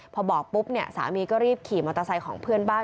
พอบอกปุ๊บเนี่ยสามีก็รีบขี่มอเตอร์ไซค์ของเพื่อนบ้าน